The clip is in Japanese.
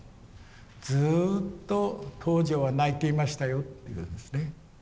ずうっと東條は泣いていましたよって言うんですね。